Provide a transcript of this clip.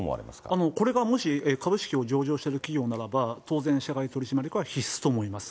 これがもし、株式を上場している企業ならば、当然、社外取締役は必須と思います。